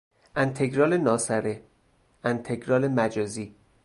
انتگرال ناسره، انتگرال مجازی